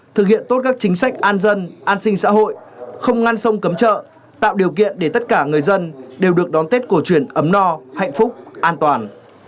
thực hiện tốt các chính sách an dân an sinh xã hội không ngăn sông cấm chợ tạo điều kiện để tất cả người dân đều được đón tết cổ truyền ấm no hạnh phúc an toàn